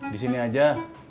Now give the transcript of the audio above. di sini aja